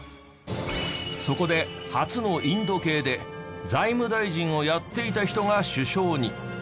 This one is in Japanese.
そこで初のインド系で財務大臣をやっていた人が首相に。